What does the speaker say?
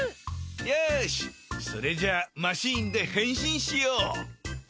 よしそれじゃあマシーンで変身しよう！